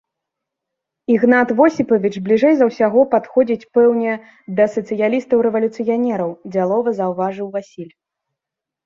— Ігнат Восіпавіч бліжэй за ўсяго падходзіць, пэўне, да сацыялістаў-рэвалюцыянераў, — дзялова заўважыў Васіль.